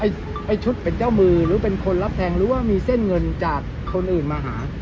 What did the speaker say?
ไอ้ชุดเป็นเจ้ามือหรือเป็นคนรับแทงหรือว่ามีเส้นเงินจากคนอื่นมาหา